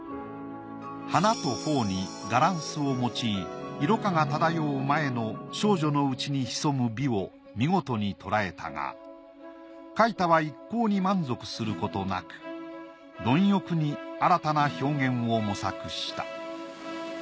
花と頬にガランスを用い色香が漂う前の少女の内に潜む美を見事に捉えたが槐多は一向に満足することなく貪欲に新たな表現を模索した。